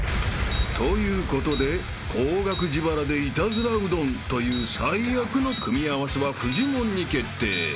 ［ということで高額自腹でイタズラうどんという最悪の組み合わせはフジモンに決定］